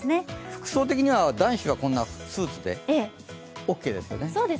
服装的には男子はこんなスーツでオーケーですね。